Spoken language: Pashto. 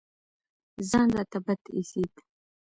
ځان راته بد اېسېد.